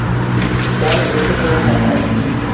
পরে দেশে ফেরত পাঠায়।